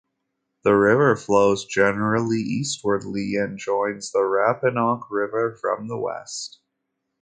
The river flows generally eastwardly and joins the Rappahannock River from the west.